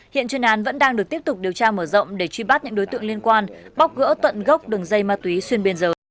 hiện chuyên án vẫn đang được tiếp tục điều tra mở rộng để truy bắt những đối tượng liên quan bóc gỡ tận gốc đường dây ma túy xuyên biên giới